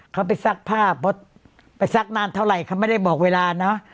เขาไปซักผ้าเพราะไปซักนานเท่าไหร่เขาไม่ได้บอกเวลาเนอะ